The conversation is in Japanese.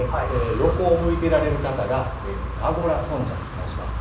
横を向いてられる方が羅怙羅尊者と申します。